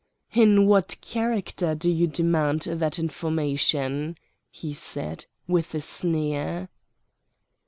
"In what character do you demand that information?" he said, with a sneer.